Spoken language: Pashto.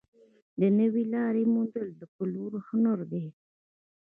د نوې لارې موندل د پلور هنر دی.